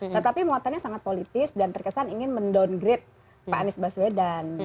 tetapi muatannya sangat politis dan terkesan ingin mendowngrade pak anies baswedan